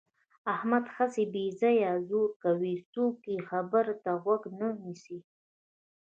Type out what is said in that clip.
احمد هسې بې ځایه زور کوي. څوک یې خبرې ته غوږ نه نیسي.